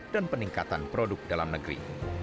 dan peningkatan produk dalam negeri